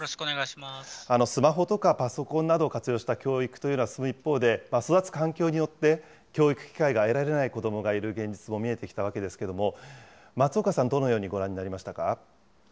スマホとかパソコンなどを活用した教育というのも進む一方で育つ環境によって教育機会が得られない子どもがいる現実も見えてきたわけですけども、松岡さん、どのようにご覧になりましたか。